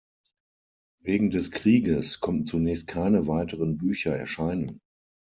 Wegen des Krieges konnten zunächst keine weiteren Bücher erscheinen.